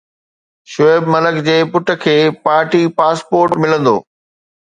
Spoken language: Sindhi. شعيب ملڪ جي پٽ کي ڀارتي پاسپورٽ ملندو